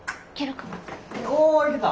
おいけた！